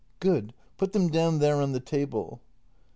Good. Put them down there on the table.